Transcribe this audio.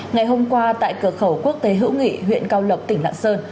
ngày hôm qua tại cửa khẩu quốc tế hữu nghị huyện cao lộc tỉnh lạng sơn